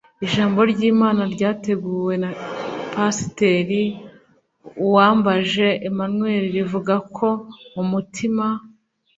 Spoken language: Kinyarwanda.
Ijambo ry’Imana ryateguwe na Pasiteri Uwambaje Emmanuel rivuga ko umutima